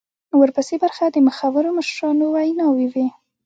ورپسې برخه د مخورو مشرانو ویناوي وې.